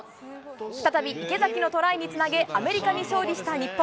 再び池崎のトライにつなげ、アメリカに勝利した日本。